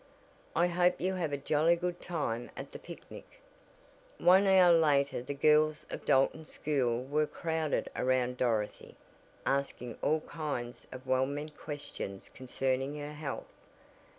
"I hope you have a jolly good time at the picnic." One hour later the girls of Dalton school were crowded around Dorothy, asking all kinds of well meant questions concerning her health.